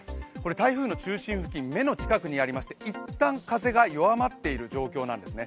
台風の中心付近、目の近くにありましていったん風が弱まっている状況なんですね。